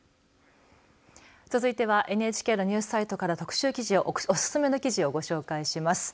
続いてはＮＨＫのニュースサイトからおすすめの記事をご紹介します。